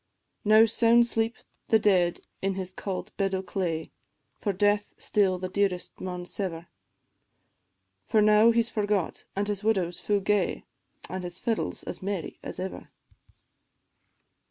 Now sound sleep the dead in his cauld bed o' clay, For death still the dearest maun sever; For now he 's forgot, an' his widow's fu' gay, An' his fiddle 's as merry as ever.